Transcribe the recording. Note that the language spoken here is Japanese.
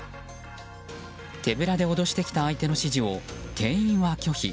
手ぶらで脅してきた相手の指示を店員は拒否。